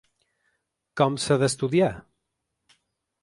Com s’ha d’estudiar?